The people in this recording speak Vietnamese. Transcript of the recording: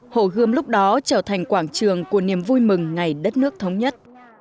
hồ gươm lúc đó trở thành quảng trường của niềm vui mừng ngày đất nước thống nhất